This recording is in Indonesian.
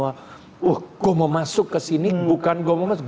wah gue mau masuk ke sini bukan gue mau masuk